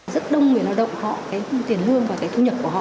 rất đông người lao động họ cái tiền lương và cái thu nhập của họ